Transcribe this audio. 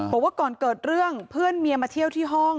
บอกว่าก่อนเกิดเรื่องเพื่อนเมียมาเที่ยวที่ห้อง